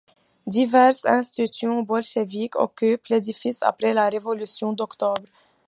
Diverses institutions bolchéviques occupent l'édifice après la Révolution d'Octobre.